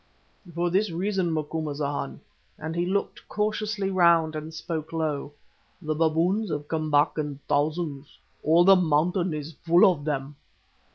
"For this reason, Macumazahn," and he looked cautiously round and spoke low. "The baboons have come back in thousands. All the mountain is full of them."